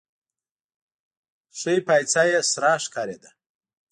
ښۍ پايڅه يې سره ښکارېده.